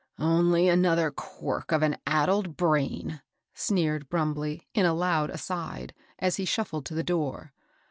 " Only another quirk of an addled brain," sneered Brumbley, in a loud (mde^ as he shuffled to the door.